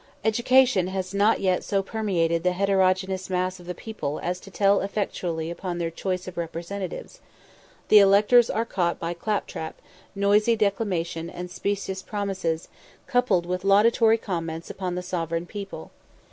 Education has not yet so permeated the heterogeneous mass of the people as to tell effectually upon their choice of representatives. The electors are caught by claptrap, noisy declamation, and specious promises, coupled with laudatory comments upon the sovereign people.